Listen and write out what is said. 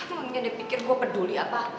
emang dia udah pikir gue peduli apa